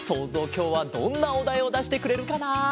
きょうはどんなおだいをだしてくれるかな？